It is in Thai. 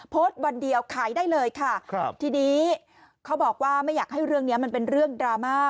วันเดียวขายได้เลยค่ะครับทีนี้เขาบอกว่าไม่อยากให้เรื่องนี้มันเป็นเรื่องดราม่า